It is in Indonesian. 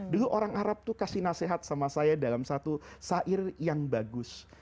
dulu orang arab itu kasih nasihat sama saya dalam satu sair yang bagus